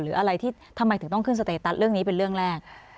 หรืออะไรที่ทำไมถึงต้องขึ้นสเตตัสเรื่องนี้เป็นเรื่องแรก